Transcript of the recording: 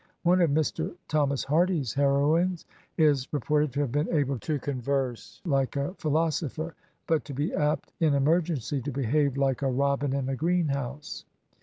One of Mr.' Thomas Hardy's heroines is reported to have been able to converse like a philosopher, but to be apt, in emergency, to behave like a robin in a green house.